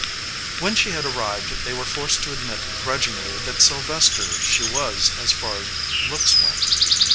When she had arrived they were forced to ad mit grudgingly that Sylvester she was as far as looks went.